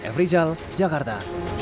f rizal jakarta